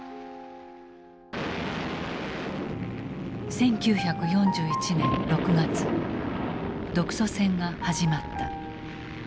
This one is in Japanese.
１９４１年６月独ソ戦が始まった。